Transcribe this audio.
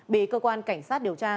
bị cơ quan cảnh sát điều tra